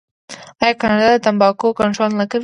آیا کاناډا د تمباکو کنټرول نه کوي؟